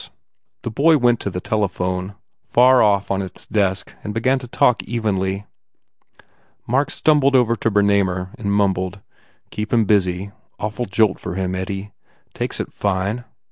259 THE FAIR REWARDS The boy went to the telephone, far off on its desk and began to talk evenly. Mark stumbled over to Bernamer and mumbled, "Keep him busy. Awful jolt for him, Eddie. Takes it fine."